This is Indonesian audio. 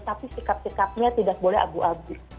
tapi sikap sikapnya tidak boleh abu abu